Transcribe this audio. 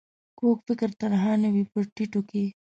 کوږ فکر تنها نه وي په ټيټو کې